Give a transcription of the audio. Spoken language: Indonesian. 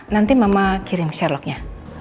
nanti mama kirim sherlocknya